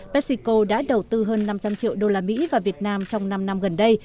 pepsico đã đầu tư hơn năm trăm linh triệu đô la mỹ và việt nam trong năm năm gần đây